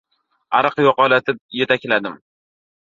Ariq yoqalatib yetakladim.